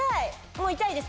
もう痛いです！